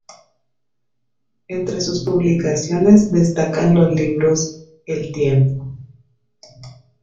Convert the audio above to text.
Entre sus publicaciones, destacan los libros: "El tiempo.